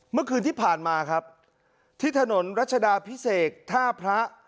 เมื่อคืนที่ผ่านมาครับที่ถนนรัชดาพิเศษท่าพระ